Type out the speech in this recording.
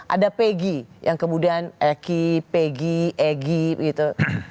ada peggy yang kemudian eki peggy egy gitu